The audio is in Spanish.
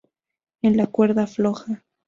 En la cuerda floja".